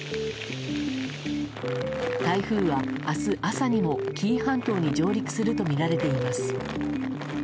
台風は明日朝にも紀伊半島に上陸するとみられています。